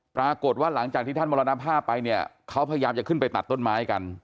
ปรากฏว่าหลังจากที่ท่านมรณภาพไปเนี่ยเขาพยายามจะขึ้นไปตัดต้นไม้กัน